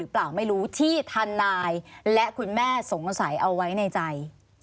โปรดติดตามตอนต่อไป